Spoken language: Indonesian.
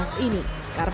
karmel mursalin tangerang